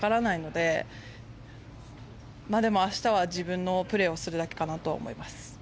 でも明日は自分のプレーをするだけかなとは思います。